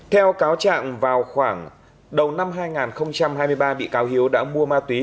theo cáo trạng vào khoảng đầu năm hai nghìn hai mươi ba bị cáo hiếu đã mua ma túy